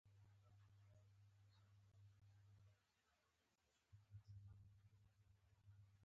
هغه په کور کې میلمانه لرل.